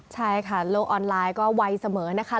ใช่ค่ะโลกออนไลน์ก็ไวเสมอนะคะ